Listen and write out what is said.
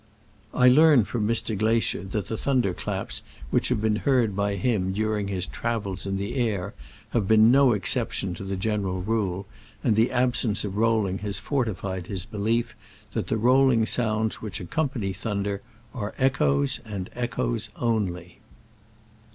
I learn from Mr. Glaisher that the thunder claps which have been heard by him during his " travels in the air " have been no exception to the general rule, and the absence of rolling has fortified his belief that the rolling sounds which accompany thuoder are echoes, and echoes only.